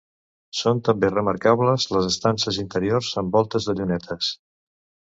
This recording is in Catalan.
Són també remarcables les estances interiors amb voltes de llunetes.